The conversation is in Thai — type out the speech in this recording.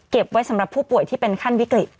ไว้สำหรับผู้ป่วยที่เป็นขั้นวิกฤต